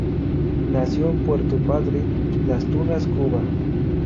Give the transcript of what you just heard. Nació en Puerto Padre, Las Tunas, Cuba.